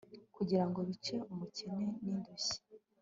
kugira ngo bice umukene n'indushyi